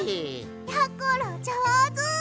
やころじょうず！